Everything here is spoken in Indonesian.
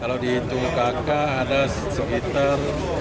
ada sekitar enam ratus